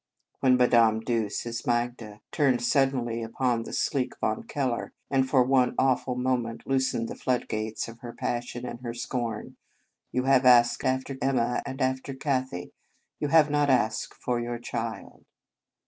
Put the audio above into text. When Madame Duse as Magda turned sud denly upon the sleek Von Keller, and for one awful moment loosened the floodgates of her passion and her scorn :" You have asked after Emma and after Katie. You have not asked for your child."